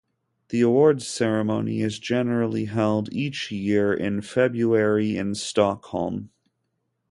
The awards ceremony is generally held each year in February in Stockholm.